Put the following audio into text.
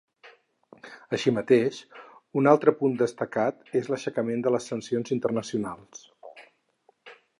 Així mateix, un altre punt destacat és l’aixecament de les sancions internacionals.